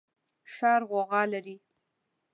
ښار غوغا لري